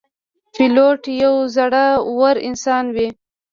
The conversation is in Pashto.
پیلوټ یو زړهور انسان وي.